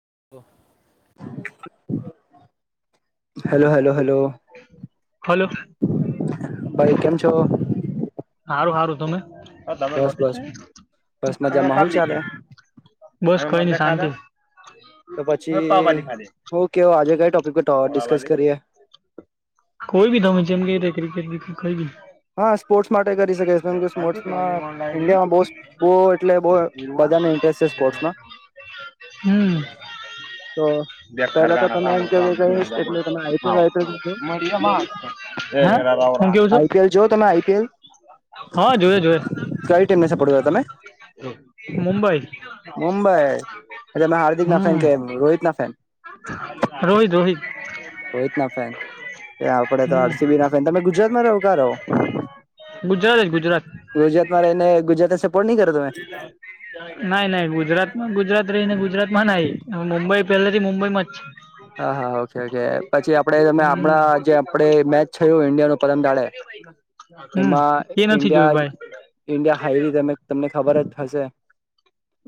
[unintelligible] Hello hello hello, hello ભાઈ કેમ છો? સારું સારું તમે બસ બસ બસ મજામાં હું ચાલે [unintelligible] બસ કોઈ શાંતિ. તો પછી, હુ કેવુ આજે કઈ ટોપિક ડિસ્કસ કરીએ? [inaudible] [unintelligible] હા સ્પોર્ટ્સ માટે કરી શકે છે કેમ કે સ્પોર્ટ્માં ઇન્ડિયામાં બોસ બો એટલે બ બધા ઇન્ટરેસ્ટ સ્પોર્ટમાં. હ. તો પેલા તો તમે એમ કેવું કે એટલે તમે આઈપીએલ આઈપીએલ જો [unintelligible] શું કેવું છો? આઈપીએલ જો તમે આઈ પી એલ- હા જોય જોય, ટીમને સપોર્ટ કરો તમે મુંબઈ. મુંબઈ એટલે તમે હાર્દિક ના ફેન કે રોહિત ના ફેન હ, રોહિત રોહિત. રોહિત ના ફેન, આપડે તો હમ આરસીબી ના ફેન તમે ગુજરાતમાં રહો કા રહો? ગુજરાત જ ગુજરાત ગુજરાતમાં રહીને ગુજરાતને સપોર્ટ નહી કરો તમે નાહી નાઈ ગુજરાત ગુજરાત રહીને ગુજરાત માં નાહી મુંબઈ પહેલાથી મુંબઈમાં જ છે. હા હા ઓકે છે પછી આપડે તમે હમ આપણા જે આપડે મેચ થયું ઇન્ડિયા નુ પરમ દાળે. ભાઈ [unintelligible] એમાં હમ એ નથી ઇન્ડિયા જોયું જ ઇન્ડિયા હાઈ તમા તમને ખબર જ થશે.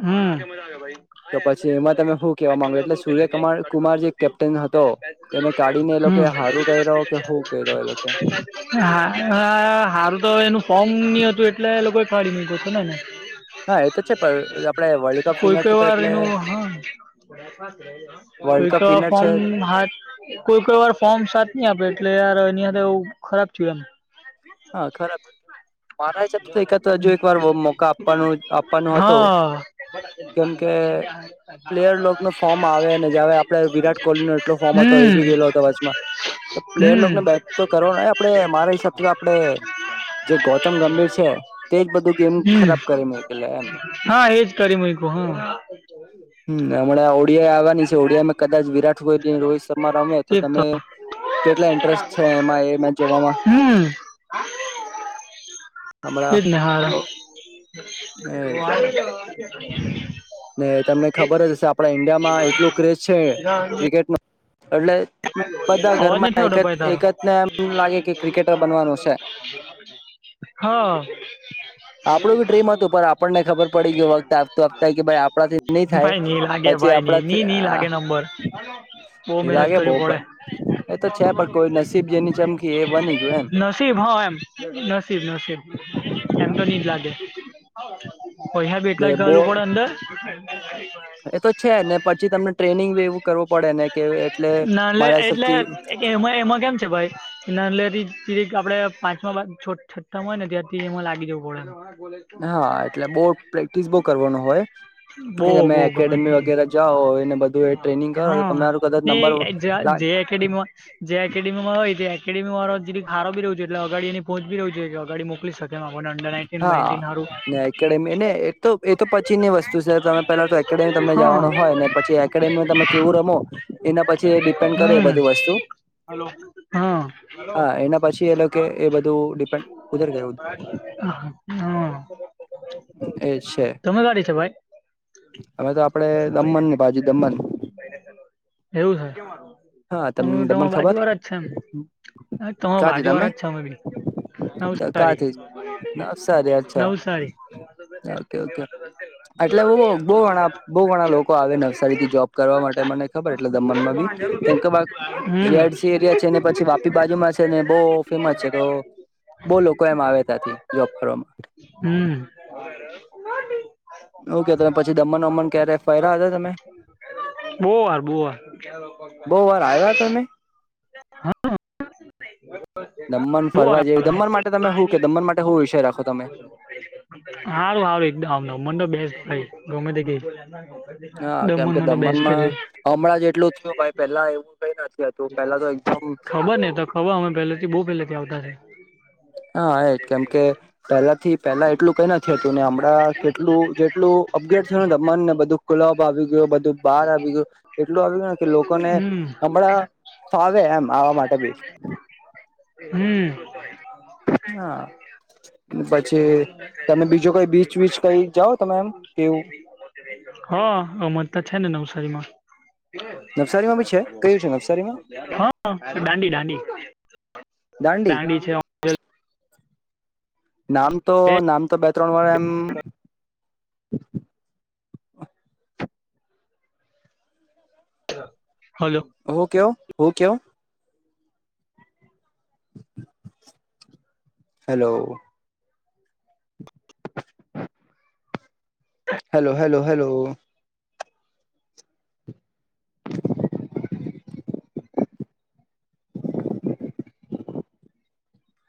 હ, મજા ભાઈ આ મજ પછી તો એમાં આ તમે શું ભાઈ કેવા માંગો એટલે પંદરસો રૂપિયા લગે સૂર્યકુમાર સાે કુમાર સાતસો જે કરતી હો [unintelligible] હું કેપ્ટન હતો એને કાઢીને એ લોકો હારું કર્યો કે હું કર્યો એ લોકો હા હા હા [unintelligible] સારું તો એનું ફોમની હતું એટલે એ લોકો ફાડી ન જશે ને ને. હા એ તો છે પણ આપડે વર્લ્ડ કપ કોઈ વિનર છે કોઈ તો એટલે વારનું હા. વર્લ્ડ તઈ કપ તો વિનર છે ફન હાથ કોઈ કોઈ વાર ફોર્મ સાથ નહી આપે એટલે યાર એનીયા બહુ ખરાબ થયું એમ. હા ખરાબ મારા હિસાબ એકાદ એમ હજુ એક વાર મોકા આપવાનો આપવાનો હતો, હા કેમકે પ્લેયર ન ફોર્મ આવે અને જાવે આપડ વિરાટ કોહલી નો એટલો ફોર્મ હતો એ બી હમ ગેલો હતો આજ પ્લેયરને હમ બેક તો કરવા આપડે મારા હિસાબ આપડે જે ગૌતમ ગંભીર છે તેજ બધું ગેમ હમ ખરાબ કરી મુકેલા એમ. હા એજ કરી મુકયુ હા. હું. એ આવાની છે ઓડિયા આવવાની છે ઓડિયામાં કદાચ વિરાટ કોહલી રોહિત શર્મા રમે તો ચેપ તમે થયો કેટલા ઇન્ટરેસ્ટ છે એમાં એ મેચ જોવામાં એ હમણાં જને હ ઓ એજ [inaudible] ને તમને ખબર જ હશે આપડા ઈન્ડિયામાં એટલું ક્રેઝ છે ક્રિકેટમાં એટલે બધા અવાજ નથી ઘરમાં એક આવતો ભાઈ તારો એક જ ને એમ લાગે કે ક્રિકેટર બનવાનું છે હા આપડું બી ડ્રીમ હતું પણ આપણને ખબર પડી કે વખત આવતું આવતા કે ભાઈ આપણાથી નહી ભાઈ ની લાગે થાયછ ભાઈ ન નની નની લાગે નંબર બહ મહેનત કરવી બરોબર ચમકી એ બની ગયું [inaudible] નસીબ હા એમ નસીબ નસીબ એમનો નિનીદ લાગે પૈસા બી એટલા જ ઘાલવું બો પડે અંદર એ તો છે ને પછી તમને ટ્રેનિંગી એવું કર પડે ને કે એટ નાનલે એટલે એમાં એમાં કેમ છે ભાઈ નાનલેરી પ આપડ પાંચ છ છઠ્ઠામાં હોય ને ત્યાારથી એમાં લાગી જવું પડે હા એટલે બહ પ્રેક્ટિસ બહ કરવાનો હોય બો તમે બો ગમે એકેડેમી તેમ વગેરે જાઓ એને બધું એ ટ્રેનિંગ કરો હા તમેરું કદાચ નંબર જે એકડેમમાં જે એકેડેીમાં હોય એ એકેડમી વાર જેી ખારોી રહ છે એલે અગા એ પહંચી રહ્યું છે કે અગા મોકલી શકે હા [inaudible] ને એકેડેમી ને એ તો એ તો પછીની વસ્તુ છે તમે પેલા તો એકેડેમી તમને હા જવાનો હોય ને પછી એકડેમીમાં તમે કેવું રમો એના પછી એ ડિપેન્ડ કરે હમ બધું વસ્તુ હા હા એના પછી એ લોકો કે એ બધું ડિપેન્ડ ઉધર ગયું હમ એ છે તમે ક્યાંથી છેો ભાઈ હવે તો આપડે દમણ ની બાજુ દમણ કે માર હા તમને અમે તમાર દમણ બાજુ ખબર વાળા જ છે એમ તમાર ક્યાંથી બાજુ તમે વાળા જ છે અમે બી નવસારી ક્યાંથી નવસારી અચ્છા નવસારી [inaudible] ઓકે ઓકે એટલે બહુ ઘણા બહુ ગણા લોકો આવે નવસારી થી જોબ કરવા માટે મને ખબર એટલે દમન માં બી કેમ કે હમ જીઆસી એરિયા છે ને પછી વાપી બાજુમાં છેને બહ ફેમસ છે તો બહ લોકો એમ આવે ત્યાં થી જોબ કરવાવામાં બોડી એવું કે તમે પછી દમણ વમન ક્યારે ફયરા હતા તમે બહુ વાર આવ્યા તમે [unintelligible] દમન બહુ વાર ફરવા જેવી દમણ માટે તમે શું કે દમણ માટે શું વિષય રાખો તમે [inaudible] હારું સારું એક આવ મનો બેસ ભ ગમે તે ગ હા કેમ કે દમનમાં તો બેસ્ટ દમણમાં હમણાં જેટલું થું ભાઈ પેલા એવું કઈ નથી હતું પેલા તો એકદમ ખબર ને તો ખબર અમે પહેલેથી બહુ પહેલેથી આવતા થ હા એજ કેમ કે પહેલા થી પેલા એટલું કઈ નથી હતું ને હમણાં કેટલું જેટલું અપગ્રેડ થયુંને દમાણ ને બધું કુલાબ આવી ગયું બધું બહાર આવી ગયું એટલું આવી ગયુંને કે લોકોને હમ હમણાં ફાવે એમ આવા માટે બી હમ હા પછી કે તમે બીજો કઈ બીચ વીચ કઈ જાઓ તમે એમ કેવું હા અમારતા છે ને નવસારીમાં નવસારીમાં બી છે કયું છે નવસારીમાં હા દાંડી દાંડી. દાંડી છે. નામ તો નામ તો બે ત્રણ વાર એમ હલો હું કવ હું કવ? હેલો. હ [inaudible] હેલો હેલો હેલો.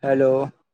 હેલો.